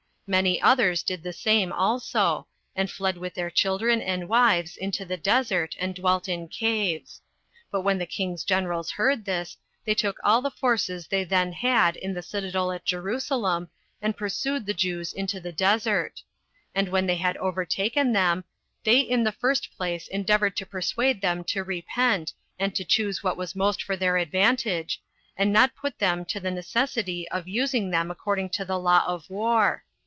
Many others did the same also, and fled with their children and wives into the desert, and dwelt in caves. But when the king's generals heard this, they took all the forces they then had in the citadel at Jerusalem, and pursued the Jews into the desert; and when they had overtaken them, they in the first place endeavored to persuade them to repent, and to choose what was most for their advantage, and not put them to the necessity of using them according to the law of war.